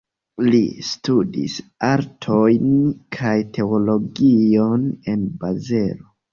Li studis artojn kaj teologion en Bazelo.